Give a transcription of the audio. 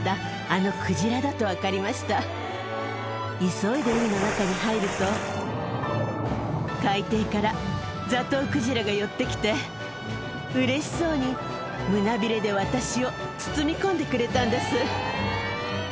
急いで海の中に入ると海底からザトウクジラが寄ってきてうれしそうに胸ビレで私を包み込んでくれたんです。